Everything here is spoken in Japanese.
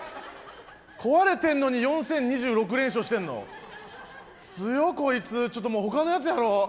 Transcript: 壊れてんのに４０２６連勝してんの強っこいつもうほかのやつやろう